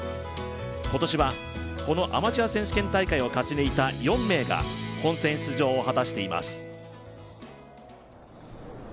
今年はこのアマチュア選手権大会を勝ち抜いた４名が本戦出場を果たしています。